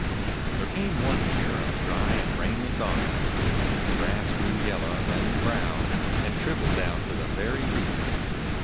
There came one year a dry and rainless August. The grass grew yellow, then brown, and shriveled down to the very roots.